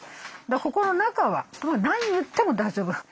ここの中は何言っても大丈夫。